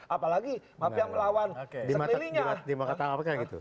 apalagi mafia melawan sekelilingnya